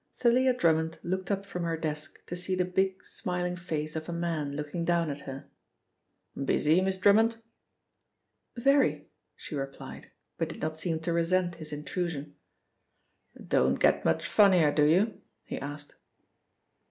Thalia Drummond looked up from her desk to see the big smiling face of a man looking down at her. "Busy, Miss Drummond?" "Very," she replied, but did not seem to resent his intrusion. "Don't get much fun here, do you?" he asked.